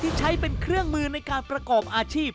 ใช้เป็นเครื่องมือในการประกอบอาชีพ